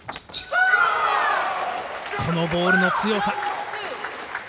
このボールの強さ。